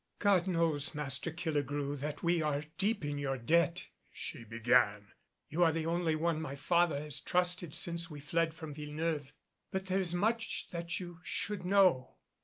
"God knows, Master Killigrew, that we are deep in your debt," she began. "You are the only one my father has trusted since we fled from Villeneuve. But there is much that you should know."